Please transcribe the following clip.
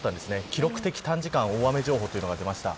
記録的短時間大雨情報が出ました。